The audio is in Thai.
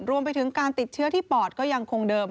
รวมไปถึงการติดเชื้อที่ปอดก็ยังคงเดิม